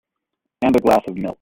And a glass of milk.